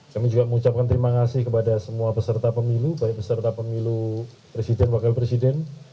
kami juga mengucapkan terima kasih kepada semua peserta pemilu baik peserta pemilu presiden wakil presiden